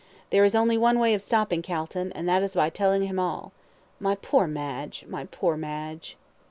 "There is only one way of stopping Calton, and that is by telling him all. My poor Madge! My poor Madge!"